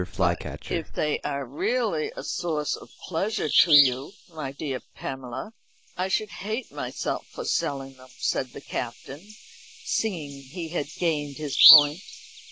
"But if they are really a source of pleasure to you, my dear Pamela, I should hate myself for selling them," said the Captain, seeing he had gained his point.